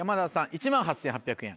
１万８８００円。